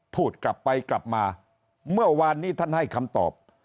พูดกลับไปกลับมาเมื่อวานนี้ท่านให้คำตอบ